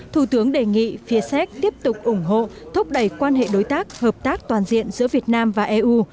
thủ tướng đề nghị phía séc tiếp tục ủng hộ thúc đẩy quan hệ đối tác hợp tác toàn diện giữa việt nam và eu